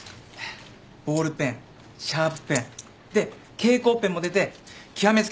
ボールペンシャープペンで蛍光ペンも出て極め付けはこれ。